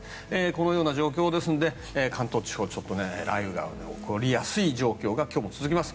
このような状況ですので関東地方、ちょっと雷雨が起こりやすい状況が今日も続きます。